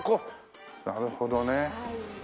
なるほどね。